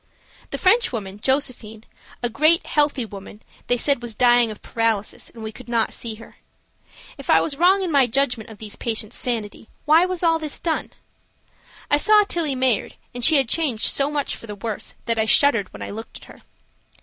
The Frenchwoman, Josephine, a great, healthy woman, they said was dying of paralysis, and we could not see her. If I was wrong in my judgment of these patients' sanity, why was all this done? I saw Tillie Mayard, and she had changed so much for the worse that I shuddered when I looked at her.